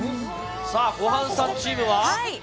ごはんさんチームは。